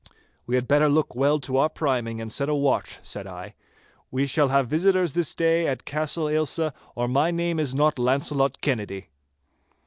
'We had better look well to our priming, and set a watch,' said I. 'We shall have visitors this day at Castle Ailsa, or my name is not Launcelot Kennedy.